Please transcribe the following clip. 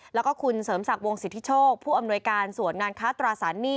แล้วก็คุณเสริมศักดิ์วงสิทธิโชคผู้อำนวยการส่วนงานค้าตราสารหนี้